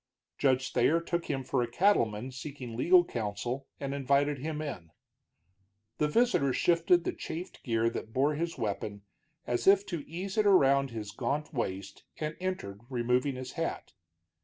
Judge Thayer took him for a cattleman seeking legal counsel, and invited him in. The visitor shifted the chafed gear that bore his weapon, as if to ease it around his gaunt waist, and entered, removing his hat.